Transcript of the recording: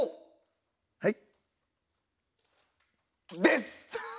はい？